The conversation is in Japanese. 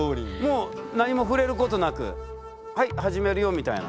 もう何も触れることなくはい始めるよみたいな。